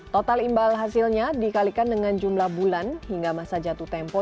total imbal hasilnya dikalikan dengan jumlah bulan hingga masa jatuh tempo